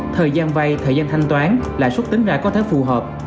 thời gian vay thời gian thanh toán lãi suất tính ra có thể phù hợp